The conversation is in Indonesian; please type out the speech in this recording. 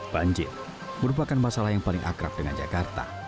banjir merupakan masalah yang paling akrab dengan jakarta